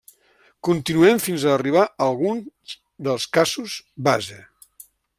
Continuem fins a arribar a algun dels casos base.